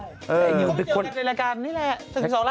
แต่นิวเขาไม่เจอกันในรายการนี่แหละถึง๒ละ๔